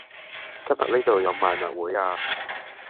今日呢道有賣物會呀